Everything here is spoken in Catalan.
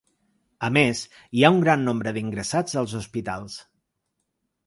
A més, hi ha un gran nombre d’ingressats als hospitals.